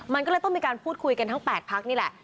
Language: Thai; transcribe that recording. มันก็เลยต้องมีการพูดคุยกันทั้ง๘พักนี่แหละ